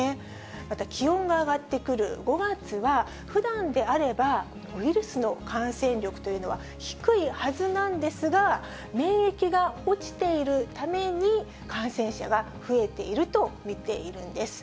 また気温が上がってくる５月は、ふだんであれば、ウイルスの感染力というのは、低いはずなんですが、免疫が落ちているために、感染者が増えていると見ているんです。